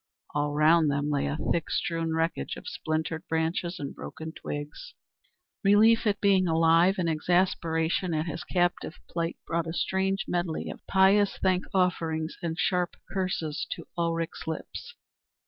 All round them lay a thick strewn wreckage of splintered branches and broken twigs. Relief at being alive and exasperation at his captive plight brought a strange medley of pious thank offerings and sharp curses to Ulrich's lips.